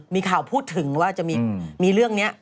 มีข่าวพูดถึงว่าจะมีเรื่องนี้